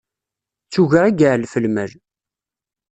D tuga i iɛellef lmal.